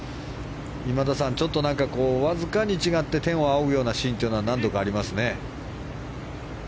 今田さん、ちょっとわずかに違って天を仰ぐようなシーンが何度かありますね。